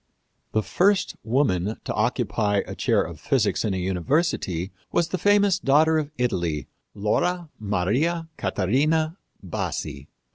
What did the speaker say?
The first woman to occupy a chair of physics in a university was the famous daughter of Italy, Laura Maria Catarina Bassi.